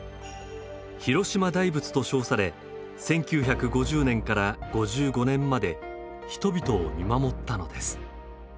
広島大仏と称され、１９５０年から５５年まで人々を見守ったのです。